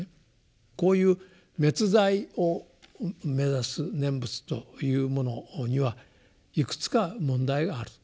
こういう滅罪を目指す念仏というものにはいくつか問題がある。